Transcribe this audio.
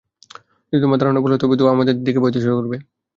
যদি তোমার ধারণা ভুল হয়, তবে ধোঁয়া আমাদের দিকে বইতে শুরু করবে!